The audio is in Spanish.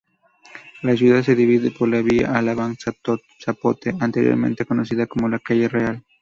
La ciudad se divide por la vía Alabang-Zapote, anteriormente conocida como la calle Real.